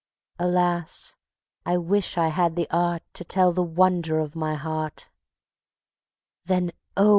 Alas! I wish I had the art To tell the wonder of my Heart. Then oh!